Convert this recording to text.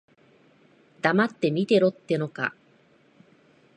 黙って見てろってのか。